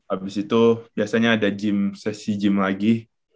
abis itu biasanya ada gym sesi gym lagi